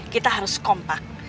kita harus kompak